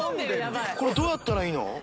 これどうやったらいいの？